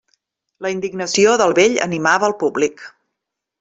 La indignació del vell animava el públic.